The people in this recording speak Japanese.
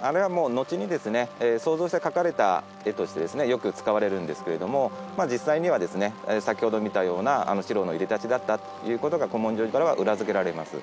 あれは後に想像して描かれた絵としてよく使われるんですけれども実際にはですね先ほど見たような四郎のいでたちだったということが古文書からは裏付けられます。